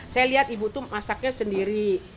saya lihat ibu itu masaknya sendiri